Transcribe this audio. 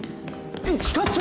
一課長！